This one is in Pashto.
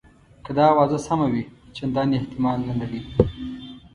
که دا آوازه سمه وي چنداني احتمال نه لري.